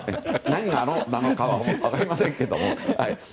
何がなのかは分かりませんけど。